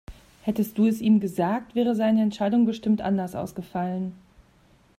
Hättest du es ihm gesagt, wäre seine Entscheidung bestimmt anders ausgefallen.